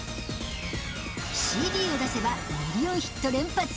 ＣＤを出せばミリオンヒット連発。